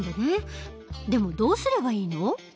でもどうすればいいの？